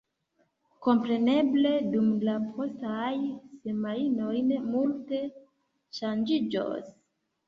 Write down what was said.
Kompreneble dum la postaj semajnoj multe ŝanĝiĝos.